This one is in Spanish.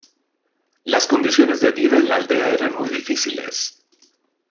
Las condiciones de vida en la aldea eran muy difíciles.